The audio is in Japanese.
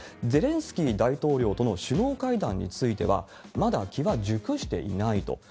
ゼレンスキー大統領との首脳会談については、まだ機は熟していないと。